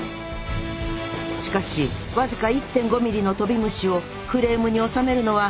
しかしわずか１．５ｍｍのトビムシをフレームに収めるのは至難の業。